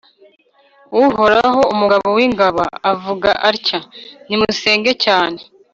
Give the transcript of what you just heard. Uhoraho, Umugaba w’ingabo, avuze atya: nimusenge cyane